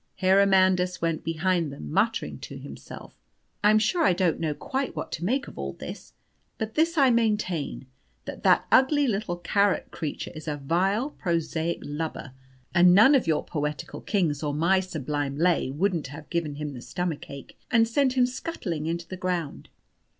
Herr Amandus went behind them, muttering to himself, "I'm sure I don't know quite what to make of all this. But this I maintain, that that ugly little carrot creature is a vile, prosaic lubber, and none of your poetical kings, or my sublime lay wouldn't have given him the stomach ache, and sent him scuttling into the ground."